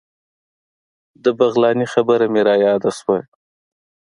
د بغلاني خبره مې رایاده شوه.